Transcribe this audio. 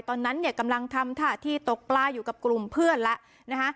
ตอนนั้นเนี่ยกำลังทำท่าที่ตกปลาอยู่กับกลุ่มเพื่อนแล้วนะคะ